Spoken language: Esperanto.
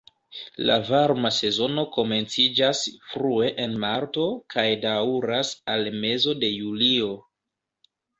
La varma sezono komenciĝas frue en marto kaj daŭras al mezo de julio.